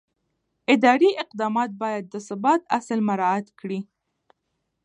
اداري اقدام باید د ثبات اصل مراعت کړي.